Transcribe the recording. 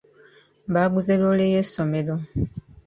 Baaguze loole y'essomero.